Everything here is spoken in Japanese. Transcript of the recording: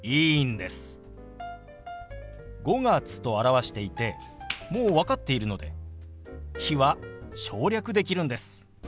「５月」と表していてもう分かっているので「日」は省略できるんです。